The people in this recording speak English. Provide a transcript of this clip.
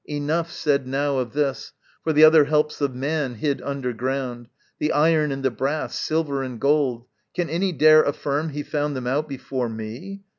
Enough said now of this For the other helps of man hid underground, The iron and the brass, silver and gold, Can any dare affirm he found them out Before me?